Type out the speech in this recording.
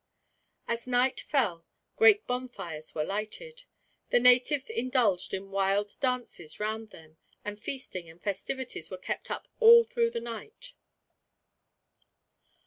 As night fell, great bonfires were lighted. The natives indulged in wild dances round them, and feasting and festivities were kept up all through the night.